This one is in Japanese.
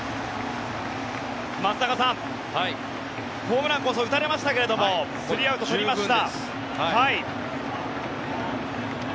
松坂さん、ホームランこそ打たれましたけれど３アウト取りました。